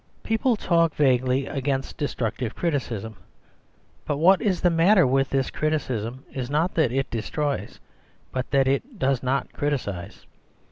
People talk vaguely against destructive criticism; but what is the matter with this criticism is not that it destroys, but that it does not criticise.